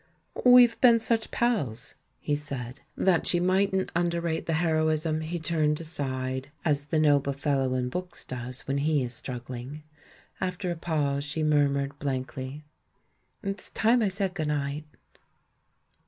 "We've been such pals," he said. That she mightn't underrate the heroism, he turned aside. 10 THE MAN WHO UNDERSTOOD WOMEN as the noble fellow in books does when he is struggling. After a pause, she murmured blankly, "It's time I said 'good night.'